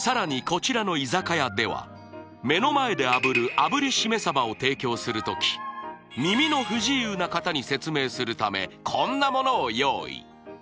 こちらの居酒屋では目の前で炙る炙りしめ鯖を提供する時耳の不自由な方に説明するためこんなものを用意